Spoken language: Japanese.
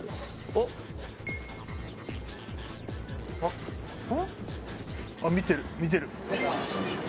おっ！あっ見てる見てる。